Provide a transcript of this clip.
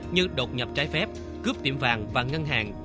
như đột nhập trái phép cướp tiệm vàng và ngân hàng